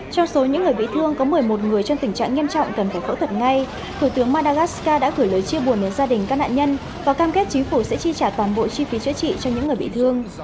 trong số những người bị thương có một mươi một người trong tình trạng nghiêm trọng cần phải phẫu thuật ngay thủ tướng madagascar đã gửi lời chia buồn đến gia đình các nạn nhân và cam kết chính phủ sẽ chi trả toàn bộ chi phí chữa trị cho những người bị thương